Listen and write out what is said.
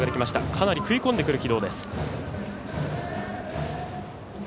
かなり食い込んでくる軌道です。